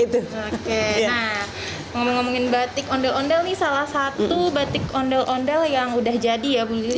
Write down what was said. ngomongin batik ondel ondel ini salah satu batik ondel ondel yang sudah jadi ya ibu lilis